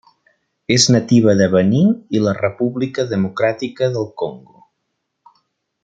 És nativa de Benín i la República democràtica del Congo.